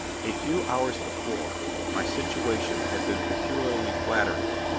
A few hours before my situation had been peculiarly flattering.